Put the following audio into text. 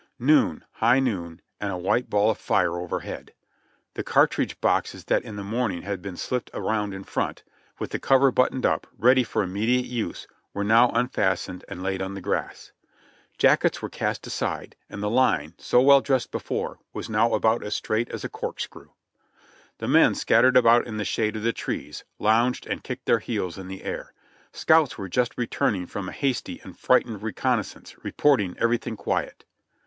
Noon, high noon ; and a white ball of fire overhead. The car tridge boxes that in the morning had been slipped around in front, with the cover buttoned up, ready for immediate use, were now unfastened and laid on the grass. Jackets were cast aside, and the line, so well dressed before, was now about as straight as a corkscrew. The men scattered about in the shade of the trees, lounged and kicked their heels in the air. Scouts were just returning from a hasty and frightened reconnaissance, reporting everything quiet.